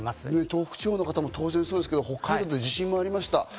東北地方の方もそうですけれども、北海道は地震もありました。